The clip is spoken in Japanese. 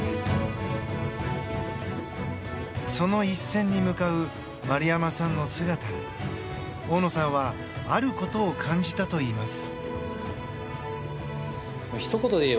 その一戦に向かう丸山さんの姿に大野さんはあることを感じたといいます。